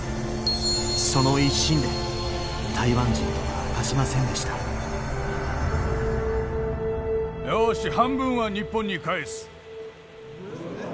その一心で台湾人とは明かしませんでしたよし半分は日本に帰す。